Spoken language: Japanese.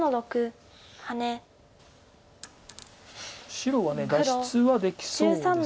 白は脱出はできそうです。